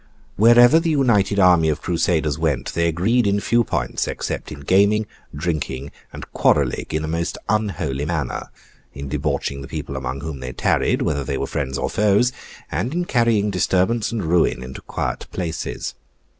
Wherever the united army of Crusaders went, they agreed in few points except in gaming, drinking, and quarrelling, in a most unholy manner; in debauching the people among whom they tarried, whether they were friends or foes; and in carrying disturbance and ruin into quiet places.